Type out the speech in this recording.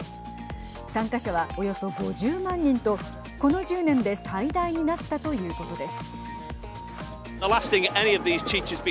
参加者はおよそ５０万人とこの１０年で最大になったということです。